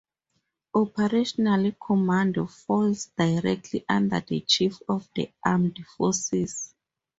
Operational command falls directly under the chief of the armed forces.